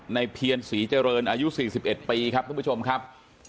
เพียรศรีเจริญอายุ๔๑ปีครับทุกผู้ชมครับ